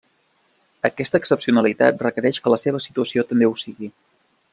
Aquesta excepcionalitat requereix que la seva situació també ho sigui.